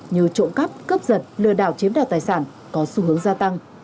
như trộm cắp cướp giật lừa đảo chiếm đoạt tài sản có xu hướng gia tăng